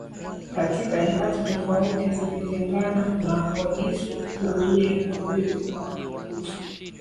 Katika nyakati tofauti zilitengana na Wagisu Waluya Wameru na Wakikuyu